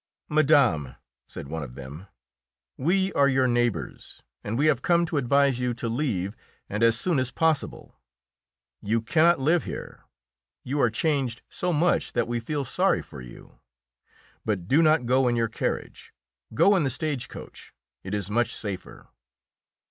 "Madame," said one of them, "we are your neighbours, and we have come to advise you to leave, and as soon as possible. You cannot live here; you are changed so much that we feel sorry for you. But do not go in your carriage: go in the stage coach; it is much safer."